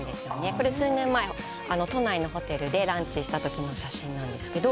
これ数年前、都内のホテルでランチしたときの写真なんですけど。